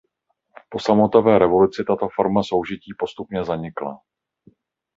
Po sametové revoluci tato forma soužití postupně zanikla.